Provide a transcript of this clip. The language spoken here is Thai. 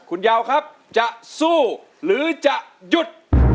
คุณยาวครับจะสู้หรือจะหยุด